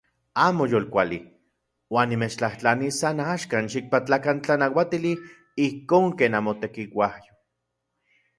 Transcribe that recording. Amo yolkuali uan nimechtlajtlanis san axkan xikpatlakan tlanauatili ijkon ken namotekiuajyo.